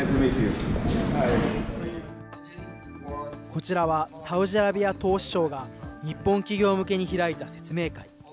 こちらはサウジアラビア投資省が、日本企業向けに開いた説明会。